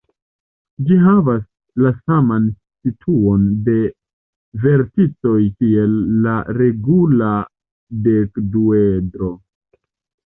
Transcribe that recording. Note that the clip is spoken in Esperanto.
Ĝi havas la saman situon de verticoj kiel la regula dekduedro.